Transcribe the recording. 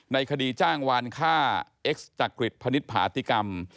ในคดีจ้างวานฆ่าเอ็กซ์จักริตพนิษฐาติกรรม